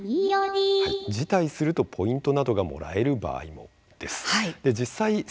辞退するとポイントなどがもらえる場合もです。